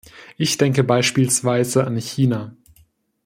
Ich denke beispielsweise an China.